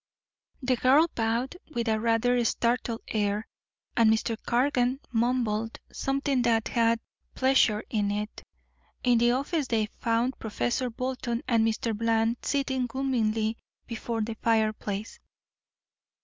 The girl bowed with a rather startled air, and Mr. Cargan mumbled something that had "pleasure" in it. In the office they found Professor Bolton and Mr. Bland sitting gloomily before the fireplace.